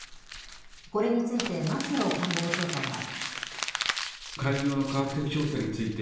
これについて、松野官房長官は。